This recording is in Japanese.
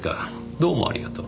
どうもありがとう。